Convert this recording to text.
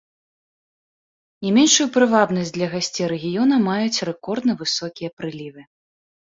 Не меншую прывабнасць для гасцей рэгіёна маюць рэкордна высокія прылівы.